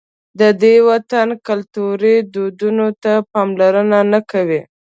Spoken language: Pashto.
د دې وطن کلتوري دودونو ته پاملرنه نه کوي.